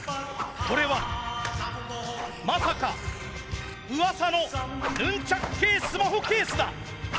これはまさかうわさのヌンチャク系スマホケースだ！